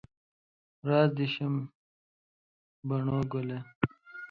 زار دې شم بنو ګله